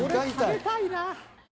これ食べたいな。